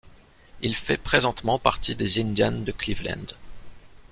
Il fait présentement partie des Indians de Cleveland.